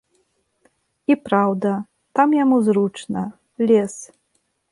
І праўда, там яму зручна, лес.